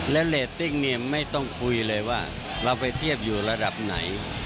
และเรตติ้งเนี่ยไม่ต้องคุยเลยว่าเราไปเทียบอยู่ระดับไหน